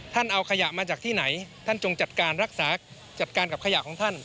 เอาขยะมาจากที่ไหนท่านจงจัดการรักษาจัดการกับขยะของท่าน